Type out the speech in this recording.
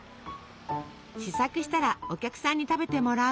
試作したらお客さんに食べてもらう。